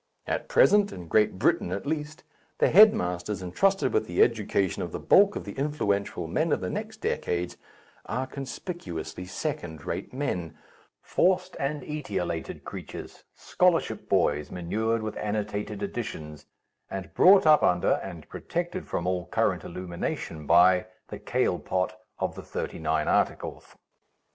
At present, in Great Britain at least, the headmasters entrusted with the education of the bulk of the influential men of the next decades are conspicuously second rate men, forced and etiolated creatures, scholarship boys manured with annotated editions, and brought up under and protected from all current illumination by the kale pot of the Thirty nine Articles.